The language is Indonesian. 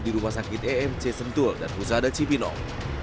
di rumah sakit emc sentul dan pusada cipinong